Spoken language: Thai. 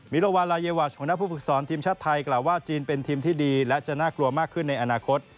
รวาลาเยวาชหัวหน้าผู้ฝึกสอนทีมชาติไทยกล่าวว่าจีนเป็นทีมที่ดีและจะน่ากลัวมากขึ้นในอนาคต